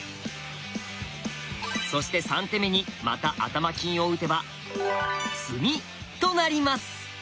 そして３手目にまた頭金を打てば詰みとなります。